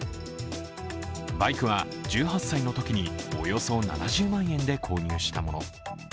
バイクは１８歳のときにおよそ７０万円で購入したもの。